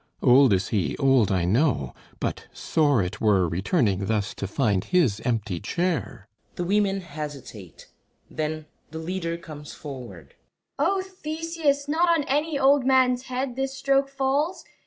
Old is he, old, I know. But sore it were, Returning thus, to find his empty chair! [The Women hesitate; then the Leader comes forward.] LEADER O Theseus, not on any old man's head This stroke falls.